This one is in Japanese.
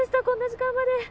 こんな時間まで。